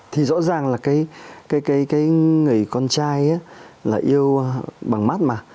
thì rõ ràng là cái người con trai là yêu bằng mắt mà